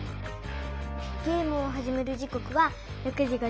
ゲームをはじめる時こくは６時５０分。